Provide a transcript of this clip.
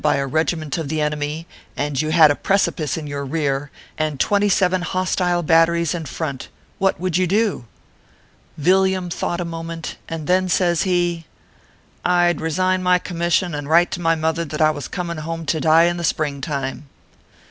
KERR PAPERS. 129 by a regiment of the enemy, and you had a precipice in your rear, and twenty seven hostile batteries in front what would you do ?" Villiam thought a moment, and then says he :" I d resign my commission, and write to my mother that I was coming home to die in the spring time."